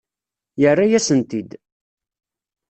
Yerra-yasen-t-id.